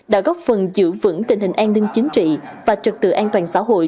đã góp phần giữ vững tình hình an ninh chính trị và trật tự an toàn xã hội